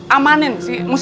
amanin si musa